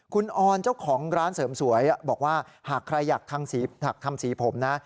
คุณออนเจ้าของร้านเสริมสวยบอกว่าหากใครอยากทำสีผมนะ